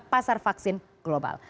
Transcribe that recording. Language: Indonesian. pasaran vaksin global